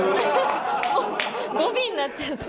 もう語尾になっちゃって。